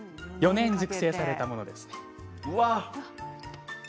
４年熟成されたものです。